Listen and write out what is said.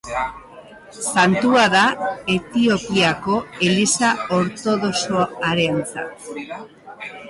Santua da Etiopiako Eliza Ortodoxoarentzat.